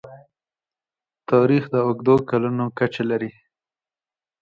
تاریخ د اوږدو کلونو کچه لري.